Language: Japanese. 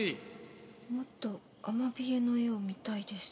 「もっとアマビエの絵を見たいです」